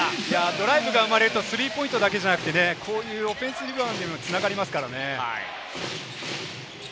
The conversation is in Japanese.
ドライブが生まれるとスリーポイントだけじゃなくて、オフェンスリバウンドにも繋がりますからね。